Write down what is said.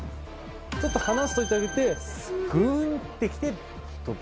ちょっと離しといてあげて、ぐーんってきて取る。